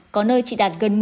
có nơi chỉ đạt gần một mươi